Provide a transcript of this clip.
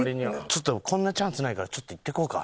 ちょっとこんなチャンスないからちょっといってこうか？